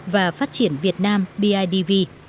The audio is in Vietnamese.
và phát triển việt nam bidv